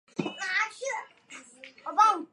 车身采用了铝合金双皮层构造。